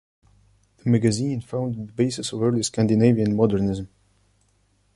The magazine founded the basis of early Scandinavian modernism.